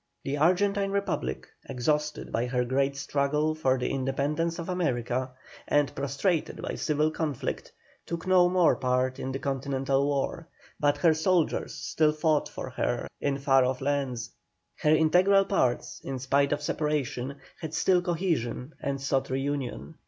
The Argentine Republic, exhausted by her great struggle for the independence of America, and prostrated by civil conflict, took no more part in the continental war, but her soldiers still fought for her in far off lands; her integral parts, in spite of separation, had still cohesion and sought reunion.